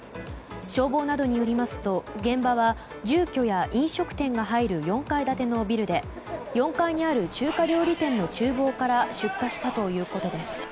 消防などによりますと現場は住居や飲食店が入る４階建てのビルで４階にある中華料理店の厨房から出火したということです。